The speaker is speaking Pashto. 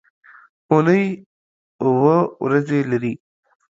اونۍ اووه ورځې لري.